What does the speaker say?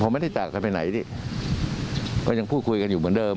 ไม่ได้จากกันไปไหนดิก็ยังพูดคุยกันอยู่เหมือนเดิม